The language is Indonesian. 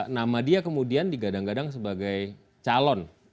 nama dia kemudian digadang gadang sebagai calon